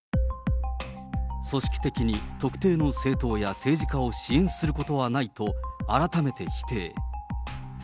組織的に特定の政党や政治家を支援することはないと、改めて否定。